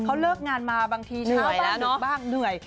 เขาเลิกงานมาบางทีเช้าบ้างเหนื่อยบ้างเหนื่อย